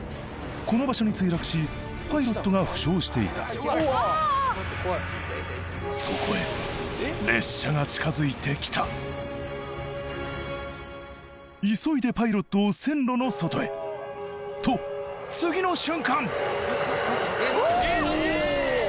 この場所に墜落しパイロットが負傷していたそこへ列車が近づいてきた急いでパイロットを線路の外へと次の瞬間